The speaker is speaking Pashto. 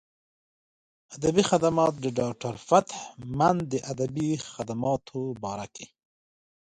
ادبي خدمات د ډاکټر فتح مند د ادبي خدماتو باره کښې